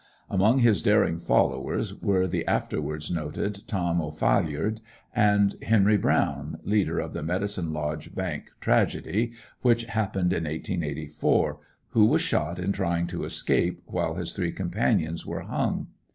Among his daring followers were the afterwards noted Tom O'Phalliard, and Henry Brown, leader of the Medicine Lodge Bank tragedy which happened in 1884, who was shot in trying to escape, while his three companions were hung.